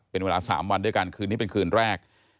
เป็นเวลา๓วันด้วยกันคืนนี้เป็นคืนแรก